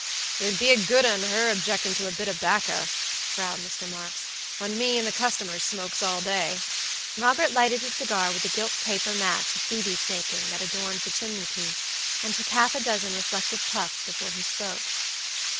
"It would be a good 'un her objectin' to a bit o' 'bacca," growled Mr. Marks, "when me and the customers smokes all day." Robert lighted his cigar with a gilt paper match of Phoebe's making that adorned the chimney piece, and took half a dozen reflective puffs before he spoke.